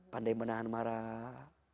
pandai menahan marah